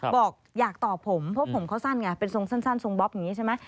บอกอยากตอบผมเพราะผมเขาสั้นไงเป็นทรงสั้นทรงบ๊อบอย่างนี้ใช่ไหม